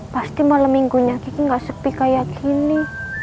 pasti malam minggunya kiki gak sepi kayak gini